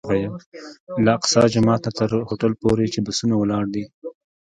له اقصی جومات نه تر هوټل پورې چې بسونه ولاړ دي.